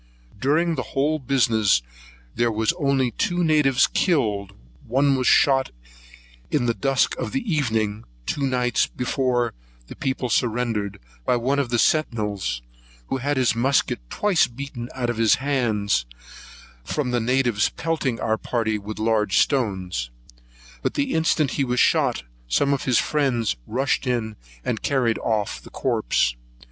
During the whole business there was only two natives killed; one was shot in the dusk of the evening, two nights before the people surrendered, by one of the centinels, who had his musket twice beat out of his hand from the natives pelting our party with large stones; but the instant he was shot, some of his friends rushed in and carried off the corpse.